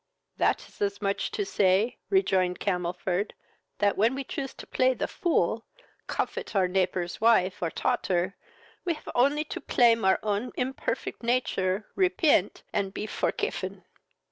"That is as much as to say, (rejoined Camelford,) that, when we choose to play the fool, cofet our neighbor's wife or taughter, we have only to plame our own imperfect nature, repent, and be forcifen."